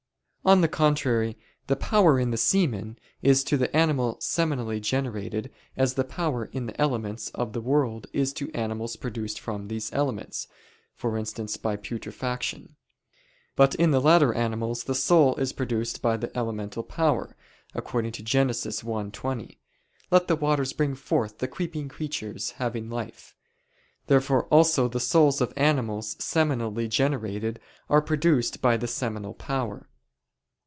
On the contrary, The power in the semen is to the animal seminally generated, as the power in the elements of the world is to animals produced from these elements for instance by putrefaction. But in the latter animals the soul is produced by the elemental power, according to Gen. 1:20: "Let the waters bring forth the creeping creatures having life." Therefore also the souls of animals seminally generated are produced by the seminal power.